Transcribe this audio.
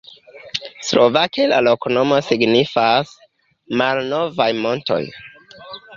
Slovake la loknomo signifas: malnovaj montoj.